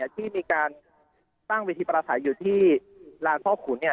ที่มีการตั้งวิธีประสาทอยู่ที่ราชภาพภูมิ